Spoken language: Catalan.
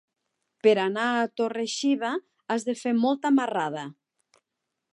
Per anar a Torre-xiva has de fer molta marrada.